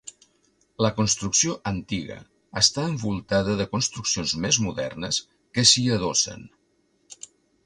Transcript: La construcció antiga està envoltada de construccions més modernes que s'hi adossen.